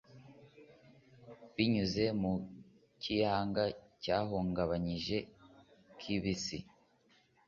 binyuze mu kiyaga cyahungabanye kibisi